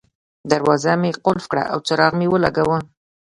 دروازه مې قلف کړه او څراغ مې ولګاوه.